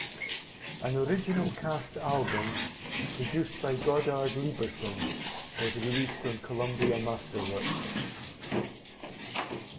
An original cast album, produced by Goddard Lieberson, was released on Columbia Masterworks.